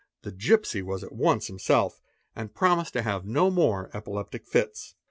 'The gipsy was at once himself and mnised to have no more epileptic fits.